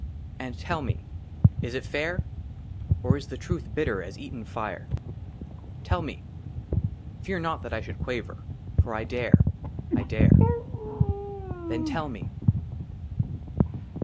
AND TELL ME IS IT FAIR OR IS THE TRUTH BITTER AS EATEN FIRE? TELL ME ! FEAR NOT THAT I SHOULD QUAVER, FOR I DARE I DARE. THEN, TELL ME